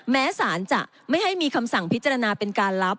แม้สารจะไม่ให้มีคำสั่งพิจารณาเป็นการรับ